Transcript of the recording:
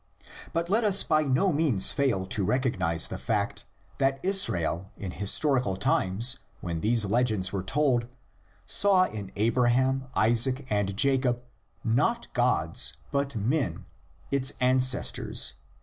But let us by no means fail to recognise the fact that Israel in historical times, when these legends were told, saw in Abraham, Isaac, and Jacob, not gods but men, its ancestors.